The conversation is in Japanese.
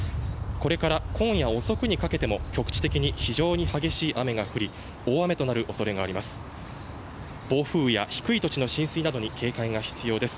これから今夜遅くにかけても局地的に非常に激しい雨が降り大雨となるおそれがあります。